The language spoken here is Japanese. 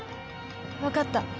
わかった。